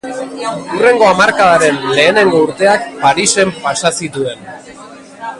Hurrengo hamarkadaren lehenengo urteak Parisen pasa zituen.